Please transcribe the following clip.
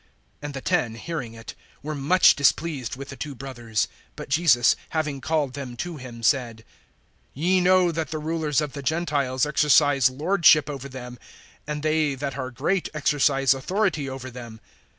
(24)And the ten, hearing it, were much displeased with the two brothers. (25)But Jesus, having called them to him, said: Ye know that the rulers of the Gentiles exercise lordship over them, and they that are great exercise authority over them.